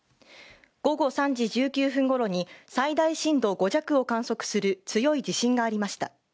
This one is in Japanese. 午後３時１９分ごろに最大震度５弱を観測する強い地震がありました。